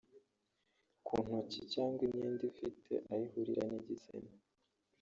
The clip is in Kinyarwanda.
ku ntoki cg imyenda ifite aho ihurira n’igitsina